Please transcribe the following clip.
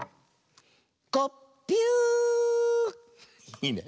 いいね。